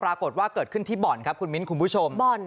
ปรากฏว่าเกิดขึ้นที่บ่อนครับคุณมิ้นคุณผู้ชม